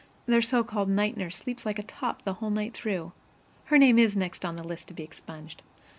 Their so called night nurse sleeps like a top the whole night through. (Her name is next on the list to be expunged.)